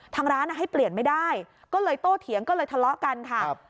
ทางร้านให้เปลี่ยนไม่ได้ก็เลยโตเถียงก็เลยทะเลาะกันค่ะ